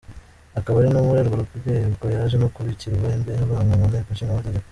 Akaba ari no muri urwo rwego yaje no kubikirwa imbehe, avanwa mu Nteko Nshingamategeko.